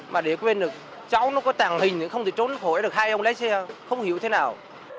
mà để quên được cháu nó có tàng hình thì không thể trốn khỏi được hai ông lấy xe không hiểu thế nào